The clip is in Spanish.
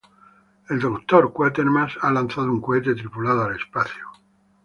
El Doctor Quatermass ha lanzado un cohete tripulado al espacio.